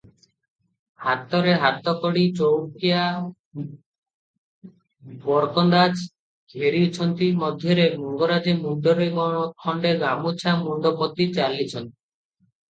ହାତରେ ହାତକଡ଼ି, ଚୌକିଆ ବରକନ୍ଦାଜ ଘେରିଛନ୍ତି, ମଧ୍ୟରେ ମଙ୍ଗରାଜେ ମୁଣ୍ତରେ ଖଣ୍ତେ ଗାମୁଛା ମୁଣ୍ତପୋତି ଚାଲିଛନ୍ତି ।